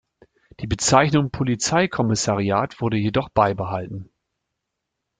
Die Bezeichnung Polizeikommissariat wurde jedoch beibehalten.